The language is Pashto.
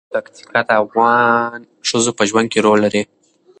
پکتیکا د افغان ښځو په ژوند کې رول لري.